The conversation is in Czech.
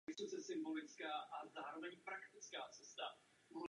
Svými stoupenci byl prý uctíván jako "„první bůh“".